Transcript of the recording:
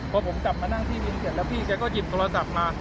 พอผมกลับมานั่งที่ดินเสร็จแล้วพี่แกก็หยิบโทรศัพท์มา